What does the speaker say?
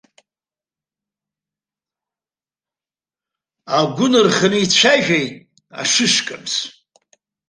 Агәы нырханы ицәажәеит ашышкамс.